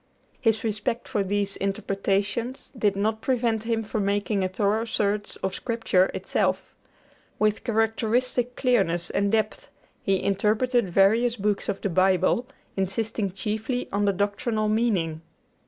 His respect for these interpretations did not prevent him from making a thorough search of Scripture itself. With characteristic clearness and depth he interpreted various books of the Bible, insisting chiefly on the doctrinal meaning.